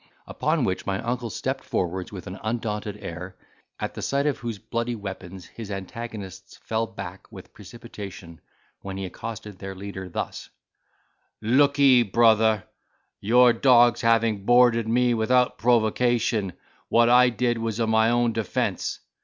Upon which my uncle stepped forwards with an undaunted air, at the sight of whose bloody weapons his antagonists fell back with precipitation, when he accosted their leader thus: "Lookee, brother, your dogs having boarded me without provocation, what I did was in my own defence.